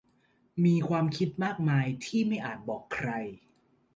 มีความคิดมากมายที่ไม่อาจบอกใคร